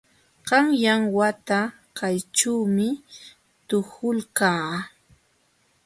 Qanyan wata kayćhuumi tuhulqaa.